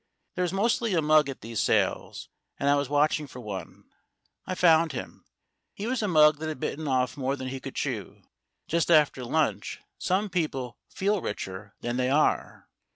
There is mostly a mug at these sales, and I was watching for one. I found him. He was a mug that had bitten off more than he could chew. , Just after lunch some people feel richer than they are.